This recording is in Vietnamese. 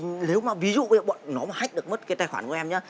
nếu mà ví dụ bọn nó mà hack được mất cái tài khoản của em nhá